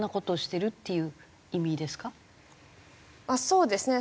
そうですね。